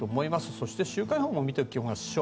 そして週間予報も見ておきます。